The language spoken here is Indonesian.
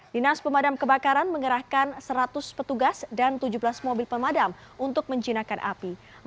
dinas pemadam kebakaran mengerahkan seratus petugas dan tujuh belas mobil pemadam untuk menjinakkan api